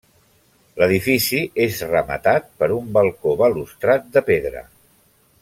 L'edifici és rematat per un balcó balustrat de pedra.